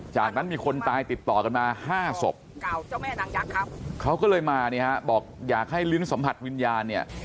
จากนั้นมีคนตายติดต่อกันมา๕ศพเขาก็เลยมาเนี่ยฮะบอกอยากให้ลิ้นสัมผัสวิญญาณเนี่ย